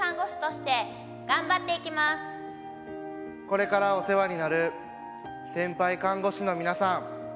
「これからお世話になる先輩看護師の皆さん」。